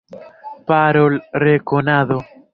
Parolrekonado.